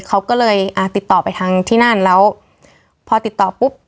เขาก็เลยอ่าติดต่อไปทางที่นั่นแล้วพอติดต่อปุ๊บ